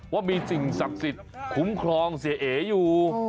ว่ามีสิ่งศักดิ์สิทธิ์คุ้มครองเสียเออยู่